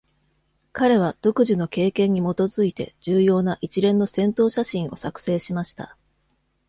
彼は独自の経験に基づいて重要な一連の戦闘写真を作成しました